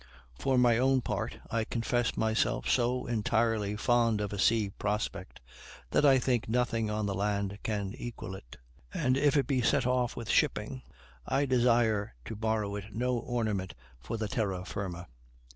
For my own part, I confess myself so entirely fond of a sea prospect, that I think nothing on the land can equal it; and if it be set off with shipping, I desire to borrow no ornament from the terra firma.